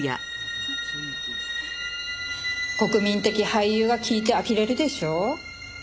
国民的俳優が聞いてあきれるでしょ？